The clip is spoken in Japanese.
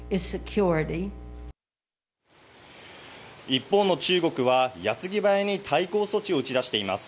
一方の中国は矢継ぎ早に対抗措置を打ち出しています。